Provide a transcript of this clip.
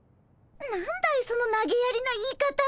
何だいそのなげやりな言い方は。